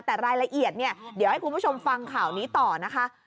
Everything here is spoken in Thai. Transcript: แต่รายละเอียดเนี่ยเดี๋ยวให้คุณผู้ชมฟังข่าวนี้ต่อนะคะ